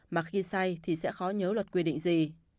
mà khi say thì sẽ khó nhớ luật quy định gì